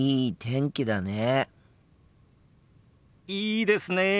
いいですねえ。